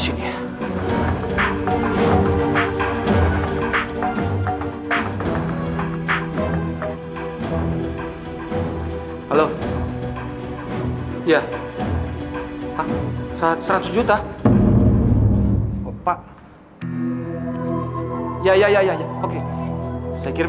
tidak ada apa apa lagi